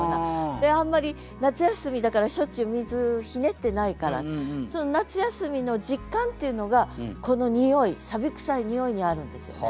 あんまり夏休みだからしょっちゅう水ひねってないから夏休みの実感っていうのがこのにおいくさいにおいにあるんですよね。